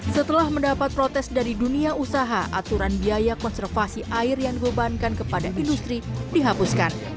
setelah mendapat protes dari dunia usaha aturan biaya konservasi air yang dibebankan kepada industri dihapuskan